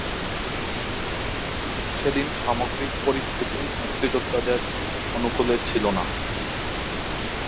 সেদিন সামগ্রিক পরিস্থিতি মুক্তিযোদ্ধাদের অনুকূলে ছিল না।